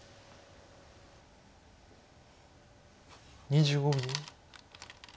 ２５秒。